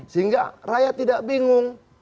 sehingga rakyat tidak bingung